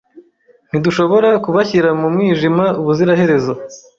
Ntidushobora kubashyira mu mwijima ubuziraherezo.